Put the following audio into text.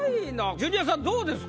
ジュニアさんどうですか？